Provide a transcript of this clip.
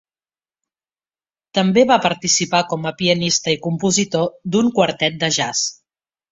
També va participar com a pianista i compositor d'un quartet de jazz.